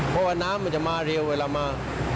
เพราะว่าน้ำมันจะมาเร็วเวลามา